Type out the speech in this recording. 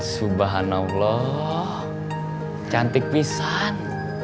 subhanallah cantik bisan